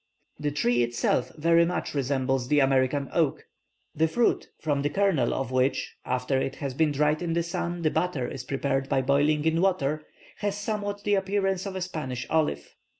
The tree itself very much resembles the American oak; the fruit from the kernel of which, after it has been dried in the sun, the butter is prepared by boiling in water has somewhat the appearance of a Spanish olive.